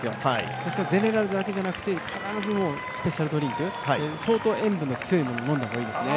ですからゼネラルだけじゃなくて必ずスペシャルドリンク、相当塩分の強いものを飲んだ方がいいですね。